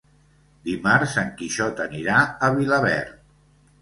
Dimarts en Quixot anirà a Vilaverd.